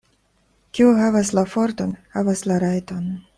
Kiu havas la forton, havas la rajton.